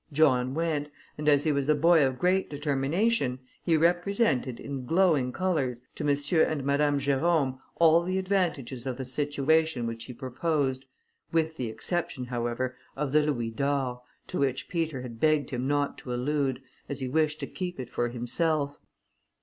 John went, and as he was a boy of great determination, he represented, in glowing colours, to M. and Madame Jerôme, all the advantages of the situation which he proposed, with the exception, however, of the louis d'or, to which Peter had begged him not to allude, as he wished to keep it for himself.